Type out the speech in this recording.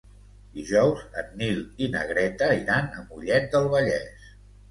Dijous en Nil i na Greta iran a Mollet del Vallès.